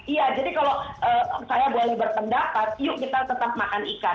iya jadi kalau saya boleh berpendapat yuk kita tetap makan ikan